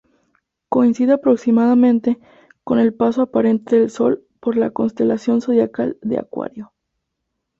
Coincide aproximadamente con el paso aparente del Sol por la constelación zodiacal de Acuario.